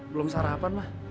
belum sarapan mas